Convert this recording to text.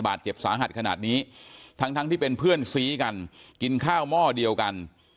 บาดเจ็บสาหัสขนาดนี้ทั้งทั้งที่เป็นเพื่อนซีกันกินข้าวหม้อเดียวกัน